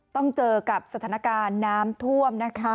ต้องเจอกับสถานการณ์น้ำท่วมนะคะ